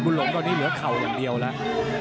บุญหลงตอนนี้เหลือข่าวอย่างเดียวครับ